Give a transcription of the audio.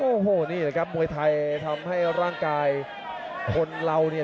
โอ้โหนี่แหละครับมวยไทยทำให้ร่างกายคนเราเนี่ย